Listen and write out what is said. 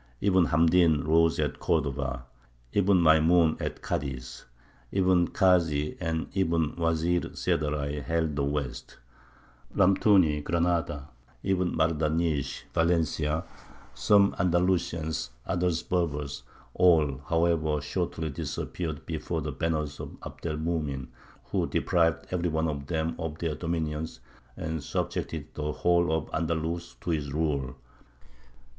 Ibn Hamdīn rose at Cordova, Ibn Maymūn at Cadiz, Ibn Kāsy and Ibn Wezīr Seddaray held the west, Lamtūny Granada, Ibn Mardanīsh, Valencia; some Andalusians, others Berbers. All, however, shortly disappeared before the banners of Abd el Mumin, who deprived every one of them of their dominions, and subjected the whole of Andalus to his rule."